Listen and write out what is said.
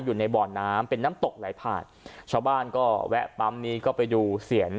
อยู่ในบ่อน้ำเป็นน้ำตกไหลผ่านชาวบ้านก็แวะปั๊มนี้ก็ไปดูเสียน